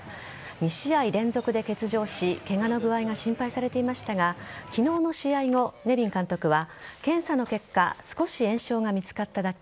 ２試合連続で欠場しケガの具合が心配されていましたが昨日の試合後、ネビン監督は検査の結果少し炎症が見つかっただけ。